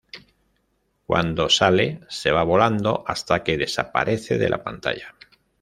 Cuando sale, se va volando hasta que desaparece de la pantalla.